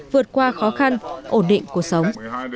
vượt qua khó khăn ổn định cuộc sống